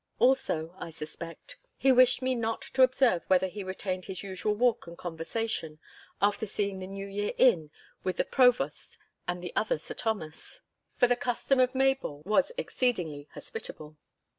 Also, I suspect, he wished me not to observe whether he retained his usual walk and conversation, after seeing the New Year in with the Provost and the other Sir Thomas, for the custom of Maybole was exceedingly hospitable.